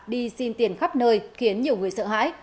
đi xin tiền khắp nơi khiến nhiều người sợ hãi